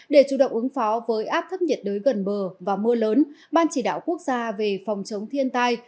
để chủ động ứng phó với áp thấp nhiệt đới gần bờ và mưa lớn ban chỉ đạo quốc gia về phòng chống thiên tai